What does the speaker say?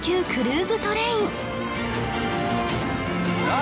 何？